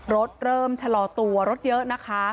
รถเริ่มชะลอตัวรถเยอะนะคะ